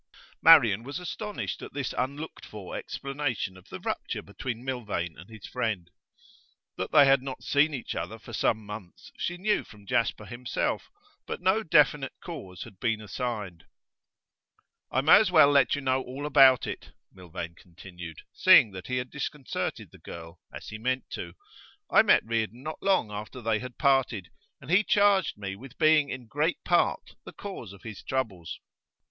Marian was astonished at this unlooked for explanation of the rupture between Milvain and his friend. That they had not seen each other for some months she knew from Jasper himself but no definite cause had been assigned. 'I may as well let you know all about it,' Milvain continued, seeing that he had disconcerted the girl, as he meant to. 'I met Reardon not long after they had parted, and he charged me with being in great part the cause of his troubles.